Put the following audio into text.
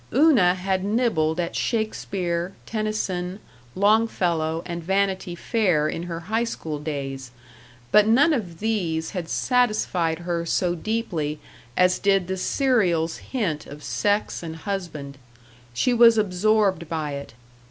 Una had nibbled at Shakespeare, Tennyson, Longfellow, and Vanity Fair in her high school days, but none of these had satisfied her so deeply as did the serial's hint of sex and husband. She was absorbed by it.